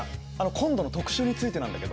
今度の特集についてなんだけど。